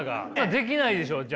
できないでしょじゃあ。